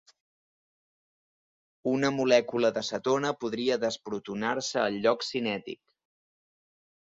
Una molècula de cetona podria desprotonar-se al lloc "cinètic".